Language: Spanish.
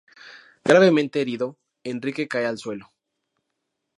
Gravemente herido, Enrique cae al suelo.